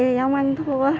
thì không ăn thua